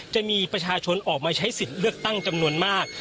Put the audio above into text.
จะมีประชาชนออกมาใช้สิทธิ์เลือกตั้งจำนวนมาก